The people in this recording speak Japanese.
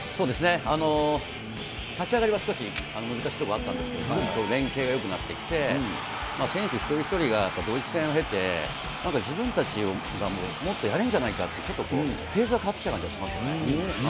立ち上がりは少し難しいところあったんですけど、連係がよくなってきて、選手一人一人がやっぱドイツ戦を経て、なんか自分たちがもうもっとやれるんじゃないかってちょっとフェーズが変わってきた感じがしますよね。